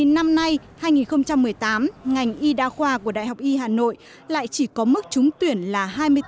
năm nay hai nghìn một mươi tám ngành y đa khoa của đại học y hà nội lại chỉ có mức trúng tuyển là hai mươi bốn